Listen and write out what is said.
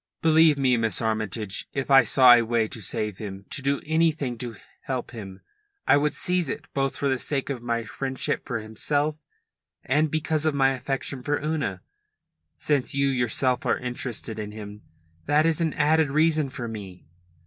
"Believe me, Miss Armytage, if I saw a way to save him, to do anything to help him, I should seize it, both for the sake of my friendship for himself and because of my affection for Una. Since you yourself are interested in him, that is an added reason for me.